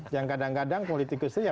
yang kadang kadang politikus itu ya